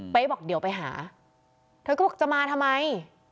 บอกเดี๋ยวไปหาเธอก็บอกจะมาทำไม